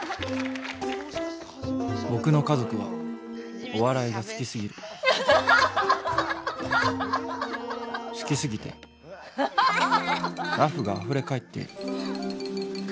僕の家族はお笑いが好きすぎる好きすぎてラフがあふれかえっている。